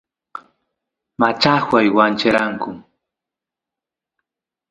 machajuay wancheranku